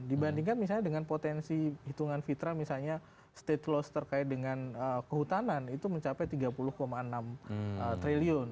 dibandingkan misalnya dengan potensi hitungan fitra misalnya stateless terkait dengan kehutanan itu mencapai tiga puluh enam triliun